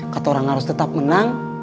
kata orang harus tetap menang